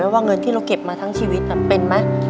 แม้ว่าเงินที่เราเก็บมาทั้งชีวิตแบบเป็นมั้ย